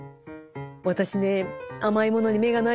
私ね甘いものに目がないんです。